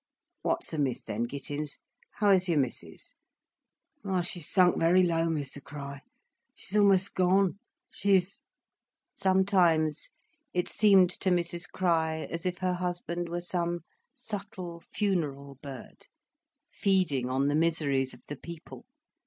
What's amiss then, Gittens. How is your Missis?" "Why, she's sunk very low, Mester Crich, she's a'most gone, she is—" Sometimes, it seemed to Mrs Crich as if her husband were some subtle funeral bird, feeding on the miseries of the people.